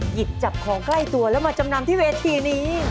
หยิบจับของใกล้ตัวแล้วมาจำนำที่เวทีนี้